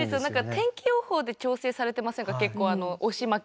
天気予報で調整されてませんか結構押し巻き。